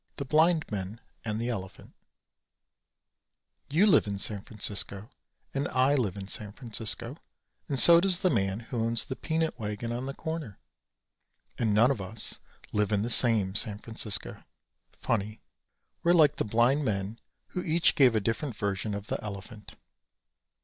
The Blind Men and the Elephant You live in San Francisco and I live in San Francisco, and so does the man who owns the peanut wagon on the corner, and none of us live in the same San Francisco funny. We're like the blind men who each gave a different version of the elephant.